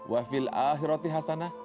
wafil akhirati hasanah